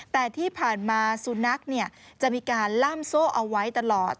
แต่ที่ผ่านมาสุนัขจะมีการล่ามโซ่เอาไว้ตลอด